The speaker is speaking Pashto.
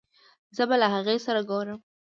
زه به له هغې سره ګورم